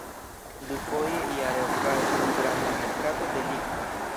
Dufoje jare okazis granda merkato de ligno.